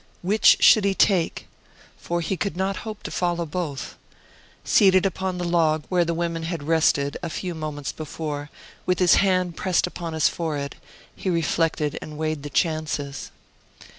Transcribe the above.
Which should he take? For he could not hope to follow both. Seated upon the log where the women had rested a few moments before, with his hand pressed upon his forehead, he reflected and weighed the chances.